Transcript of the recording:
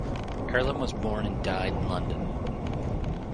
Earlom was born and died in London.